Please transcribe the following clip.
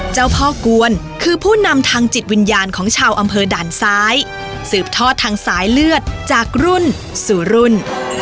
เจ้าพ่อกวนคือผู้นำทางจิตวิญญาณของชาวอำเภอด่านซ้ายสืบทอดทางสายเลือดจากรุ่นสู่รุ่น